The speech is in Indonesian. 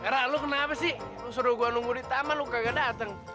ra lo kenapa sih lo suruh gue nunggu di taman lo kagak dateng